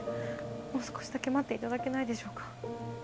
もう少しだけ待っていただけないでしょうか？